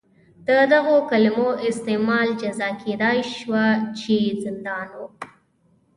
د دغو کلیمو استعمال جزا کېدای شوه چې زندان و.